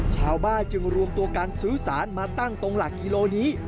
ชาวบ้านจึงรวมตัวการซื้อสารมาตั้งตรงหลักกิโลนี้